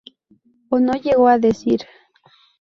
Ono llegó a decir.